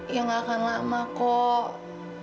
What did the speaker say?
ya gak akan lama kok